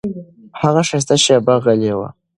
هغه ښایسته شېبه غلی و.